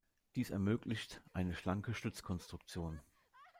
Dies ermöglicht eine schlanke Stützkonstruktion.